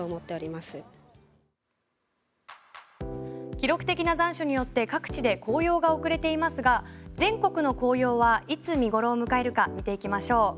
記録的な残暑によって各地で紅葉が遅れていますが全国の紅葉はいつ見頃を迎えるか見ていきましょう。